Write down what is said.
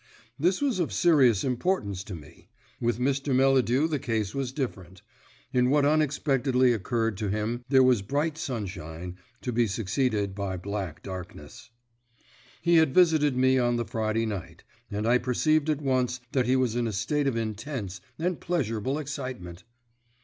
This was of serious importance to me. With Mr. Melladew the case was different. In what unexpectedly occurred to him there was bright sunshine, to be succeeded by black darkness. He had visited me on the Friday night, and I perceived at once that he was in a state of intense and pleasurable excitement.